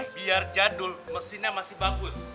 biar jadul mesinnya masih bagus